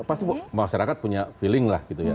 pasti masyarakat punya feeling lah